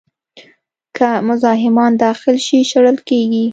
که مزاحمان داخل شي، شړل کېږي.